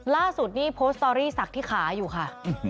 ล่าสุดนี่โพสต์สตอรี่สักที่ขาอยู่ค่ะ